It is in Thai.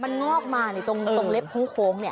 มันงอกมาตรงเล็บโค้งเนี่ย